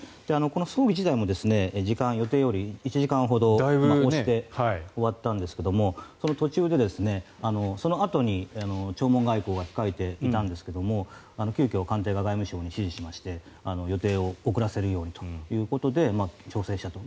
この葬儀自体も時間が予定より１時間ほど押して終わったんですがその途中で、そのあとに弔問外交が控えていたんですが急きょ官邸が外務省に指示しまして予定を遅らせるようにということで調整したと。